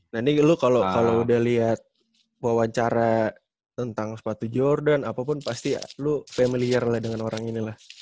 nah ini lu kalau udah liat wawancara tentang sepatu jordan apapun pasti lu familiar lah dengan orang ini lah